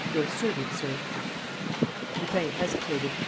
Your servant, sir!..." Lupin hesitated.